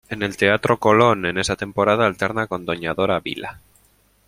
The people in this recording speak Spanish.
En el teatro Colón en esa temporada alterna con Doña Dora Vila.